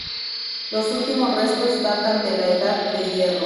Los últimos restos datan de la Edad de Hierro.